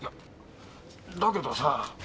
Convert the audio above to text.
だけどさぁ。